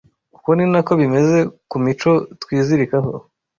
Uko ni na ko bimeze ku mico twizirikaho